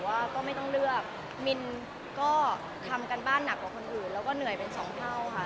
ว่าก็ไม่ต้องเลือกมินก็ทำการบ้านหนักกว่าคนอื่นแล้วก็เหนื่อยเป็นสองเท่าค่ะ